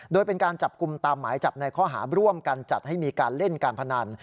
โดยเป็นการจับกลุ่มตามหมายจับในข้อหาร่วมกันจัดให้มีการเล่นการพนัน